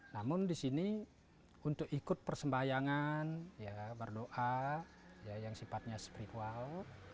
namun di sini untuk ikut persembahyangan berdoa yang sifatnya spiritual